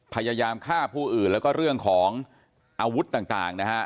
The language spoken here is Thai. พยายามฆ่าผู้อื่นแล้วก็เรื่องของอาวุธต่างนะฮะ